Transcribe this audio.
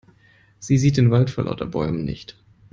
Sie sieht den Wald vor lauter Bäumen nicht.